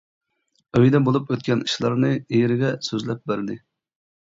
ئۆيدە بولۇپ ئۆتكەن ئىشلارنى ئېرىگە سۆزلەپ بەردى.